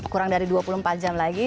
kurang dari dua puluh empat jam lagi